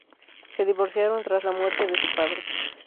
Se divorciaron tras la muerte de su padre.